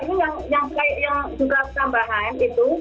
ini yang jumlah tambahan itu